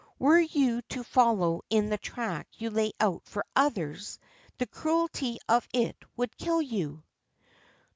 Were you to follow in the track you lay out for others, the cruelty of it would kill you.